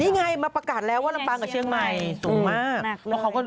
นี่ไงมาประกาศแล้วว่าลำปางกับเชียงใหม่สูงมาก